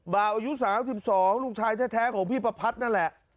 บ่าวอายุ๓๒ลูกชายแท้ของพี่ประพัดนั่นแหละ